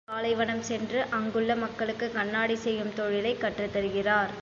புத்தர் பாலைவனம் சென்று அங்குள்ள மக்களுக்குக் கண்ணாடி செய்யும் தொழிலைக் கற்றுத் தருகிறார்.